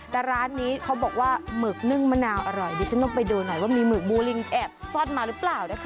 แต่ร้านนี้เขาบอกว่าหมึกนึ่งมะนาวอร่อยดิฉันต้องไปดูหน่อยว่ามีหมึกบูลิงแอบซ่อนมาหรือเปล่านะคะ